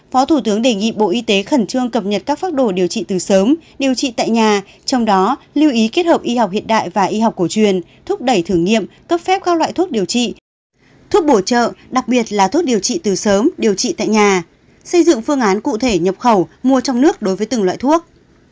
phó thủ tướng đề nghị bộ y tế khẩn trương cập nhật các phác đồ điều trị từ sớm điều trị tại nhà trong đó lưu ý kết hợp y học hiện đại và y học cổ truyền thúc đẩy thử nghiệm cấp phép các loại thuốc điều trị thuốc bổ trợ đặc biệt là thuốc điều trị từ sớm điều trị tại nhà xây dựng phương án cụ thể nhập khẩu mua trong nước đối với từng loại thuốc